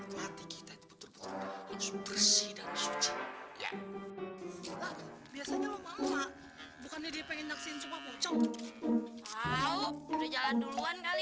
bersih dan cuci ya biasanya lo mama bukan dia pengen ngaksin sumpah pocong jalan duluan kali